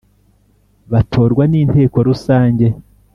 batorwa n inteko rusange